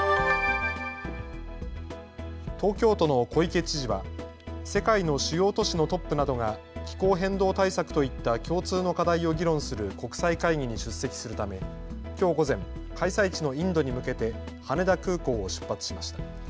東京都の小池知事は世界の主要都市のトップなどが気候変動対策といった共通の課題を議論する国際会議に出席するため、きょう午前、開催地のインドに向けて羽田空港を出発しました。